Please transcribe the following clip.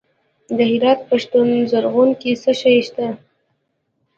د هرات په پشتون زرغون کې څه شی شته؟